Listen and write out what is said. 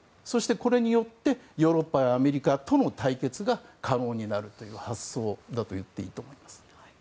そして、これによってヨーロッパやアメリカとの対決が可能になるという発想だと言っていいと思います。